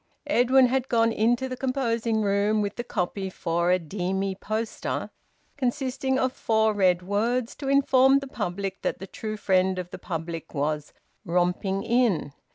Edwin had gone into the composing room with the copy for a demy poster, consisting of four red words to inform the public that the true friend of the public was `romping in.'